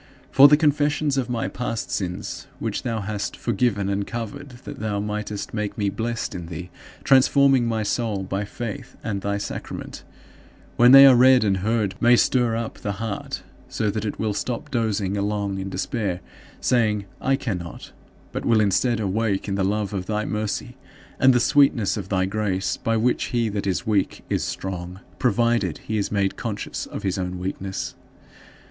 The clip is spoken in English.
For the confessions of my past sins (which thou hast "forgiven and covered" that thou mightest make me blessed in thee, transforming my soul by faith and thy sacrament), when they are read and heard, may stir up the heart so that it will stop dozing along in despair, saying, "I cannot"; but will instead awake in the love of thy mercy and the sweetness of thy grace, by which he that is weak is strong, provided he is made conscious of his own weakness.